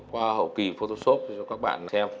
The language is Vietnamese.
qua hậu kì photoshop cho các bạn xem